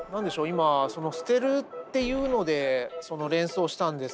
今その捨てるっていうので連想したんですけど。